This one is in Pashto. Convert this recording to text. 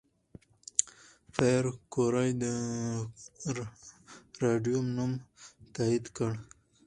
پېیر کوري د راډیوم نوم تایید کړ.